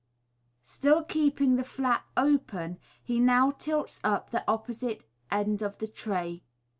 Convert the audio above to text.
Still keeping the flap open, he now tilts up the opposite end of the tray.